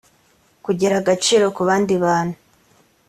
kugira agaciro ku bandi bantu